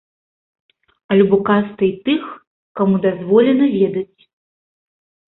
Альбо кастай тых, каму дазволена ведаць.